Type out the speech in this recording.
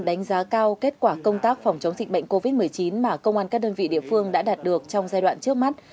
đánh giá cao kết quả công tác phòng chống dịch bệnh covid một mươi chín mà công an các đơn vị địa phương đã đạt được trong giai đoạn trước mắt